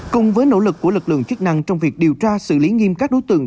cùng với nỗ lực của lực lượng chức năng trong việc điều tra xử lý nghiêm các đối tượng